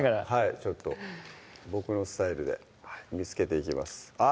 ちょっと僕のスタイルで見つけていきますあぁ